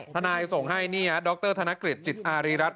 ธนายโดรกเตอร์ธนกฤษจิตอารีรัติ